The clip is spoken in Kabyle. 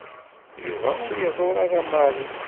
Yuba ur iḍuṛṛ ara Mary.